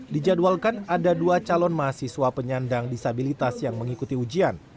dijadwalkan ada dua calon mahasiswa penyandang disabilitas yang mengikuti ujian